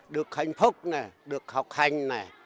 được hạnh phúc được học hành